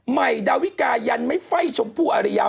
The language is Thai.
ใหม่ดาวิกายันจ์ไม่ไฟจ์ชมพูอเรีย